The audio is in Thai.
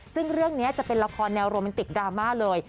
ซึ่งเรื่องนี้จะเป็นละครแนวโรแมนติกดราม่าเลย